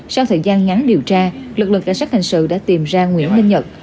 sau thời gian ngắn điều tra lực lượng cảnh sát hành sự đã tìm ra nguyễn minh nhật